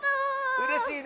うれしいね！